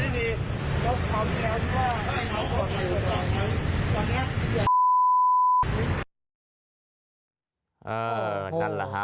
นั่นล่ะค่ะ